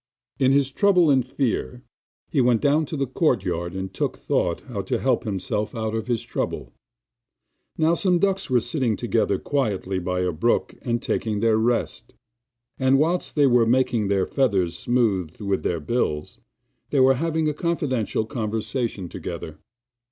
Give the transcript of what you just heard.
In his trouble and fear he went down into the courtyard and took thought how to help himself out of his trouble. Now some ducks were sitting together quietly by a brook and taking their rest; and, whilst they were making their feathers smooth with their bills, they were having a confidential conversation together.